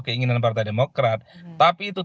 keinginan partai demokrat tapi itu